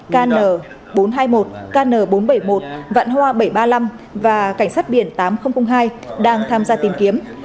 kn bốn trăm hai mươi một kn bốn trăm bảy mươi một vạn hoa bảy trăm ba mươi năm và cảnh sát biển tám nghìn hai đang tham gia tìm kiếm